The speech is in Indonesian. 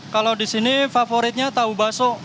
kalau di sini favoritnya tahu bakso